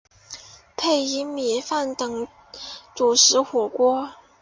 配以米饭等主食的火锅。